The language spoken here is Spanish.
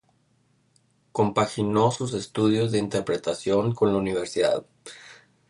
Compaginó sus estudios de interpretación con la universidad.